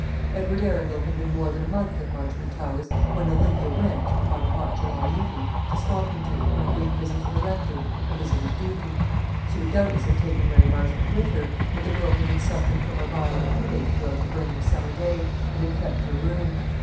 Edward Arundel had been more than a month at Marchmont Towers when Olivia went, upon a hot July evening, to Swampington, on a brief visit to the Rector, a visit of duty. She would doubtless have taken Mary Marchmont with her; but the girl had been suffering from a violent headache throughout the burning summer day, and had kept her room.